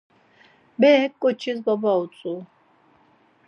Berek ǩoçis 'baba' utzu.